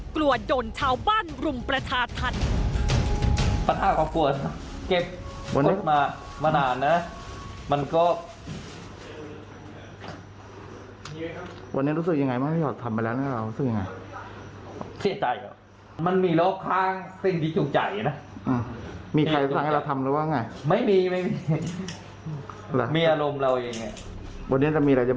กลัวโดนชาวบ้านรุมประชาธรรม